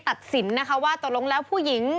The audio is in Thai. ตัดสินนะคะว่าตกลงแล้วผู้หญิง